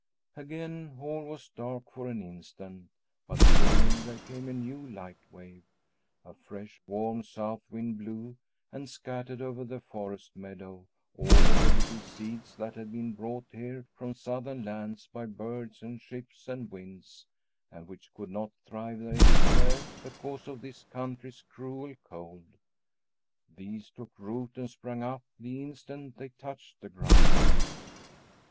Again, all was dark for an instant, but soon there came a new light wave. A fresh, warm south wind blew and scattered over the forest meadow all the little seeds that had been brought here from southern lands by birds and ships and winds, and which could not thrive elsewhere because of this country's cruel cold. These took root and sprang up the instant they touched the ground.